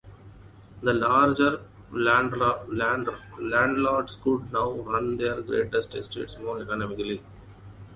The larger landlords could now run their great estates more economically.